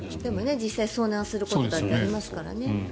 実際に遭難することだってありますからね。